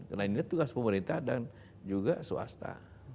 karena ini tugas pemerintah dan juga swasta